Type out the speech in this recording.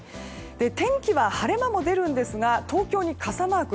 天気は晴れ間も出るんですが東京に傘マーク。